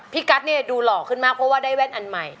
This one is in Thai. กัสเนี่ยดูหล่อขึ้นมากเพราะว่าได้แว่นอันใหม่